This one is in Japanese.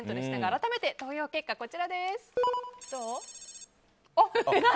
改めて投票結果はこちらです。